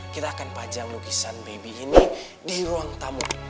kita akan pajang lukisan baby ini di ruang tamu